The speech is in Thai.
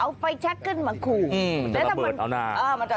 เอาไฟแชร์ขึ้นมาครูอืมมันจะระเบิดเอาหน้าอ่า